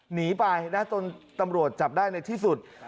หนีไปนะจนตำรวจจับได้ในที่สุด